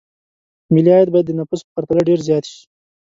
ملي عاید باید د نفوسو په پرتله ډېر زیات شي.